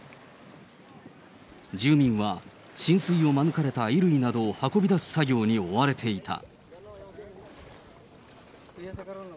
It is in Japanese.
住民は浸水を免れた衣類などを運び出す作業などに追われていた。